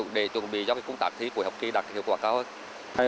để chuẩn bị do tạm thí của học kỳ đạt hiệu quả cao hơn